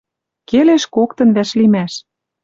Келеш коктын вӓшлимӓш.